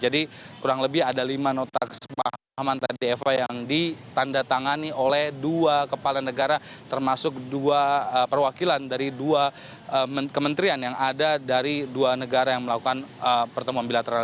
jadi kurang lebih ada lima otak sepahaman tadi eva yang ditanda tangani oleh dua kepala negara termasuk dua perwakilan dari dua kementerian yang ada dari dua negara yang melakukan pertemuan bilateral